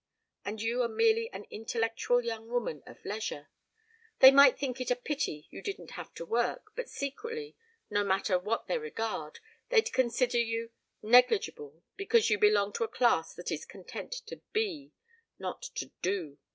And you are merely an intellectual young woman of leisure. They might think it a pity you didn't have to work, but secretly, no matter what their regard, they'd consider you negligible because you belong to a class that is content to be, not to do.